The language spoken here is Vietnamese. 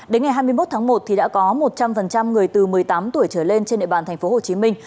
đến ngày hai mươi một tháng một đã có một trăm linh người từ một mươi tám tuổi trở lên trên địa bàn thành phố hồ chí minh